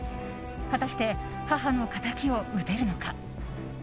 果たして、母の敵を討てるのか。